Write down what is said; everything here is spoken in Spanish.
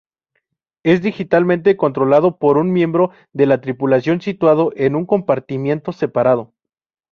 Es digitalmente controlado por un miembro de la tripulación situado en un compartimiento separado.